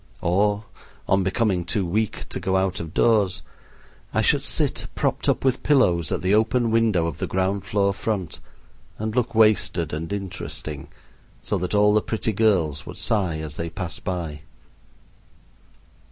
Or, on becoming too weak to go out of doors, I should sit propped up with pillows at the open window of the ground floor front, and look wasted and interesting, so that all the pretty girls would sigh as they passed by.